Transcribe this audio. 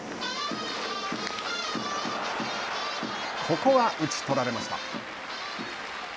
ここは打ち取られました。